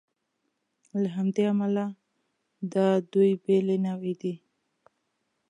له همدې امله دا دوې بېلې نوعې دي.